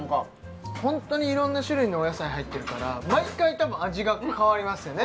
ホントにいろんな種類のお野菜入ってるから毎回たぶん味が変わりますよね